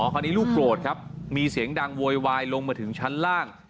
คราวนี้ลูกโกรธครับมีเสียงดังโวยวายลงมาถึงชั้นล่าง